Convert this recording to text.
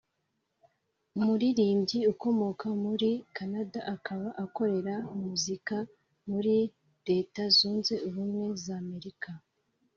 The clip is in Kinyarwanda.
umuririmbyi ukomoka muri Canada akaba akorera muzika muri Leta Zunze Ubumwe za Amerika